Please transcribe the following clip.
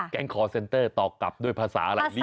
คอร์เซ็นเตอร์ตอบกลับด้วยภาษาอะไร